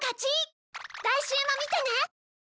来週も見てね！